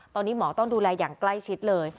ตอนนี้หมอต้องดูแลอย่างใกล้ชิดเลย